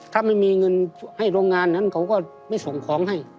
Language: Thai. ถ้าไม่มีเงินให้โรงงานนั้นเขาก็ไม่ส่งของให้